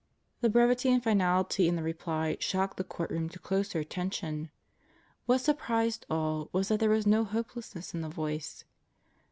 The brevity and finality in the reply shocked the courtroom to closer attention. What surprised all was that there was no hopelessness in the voice.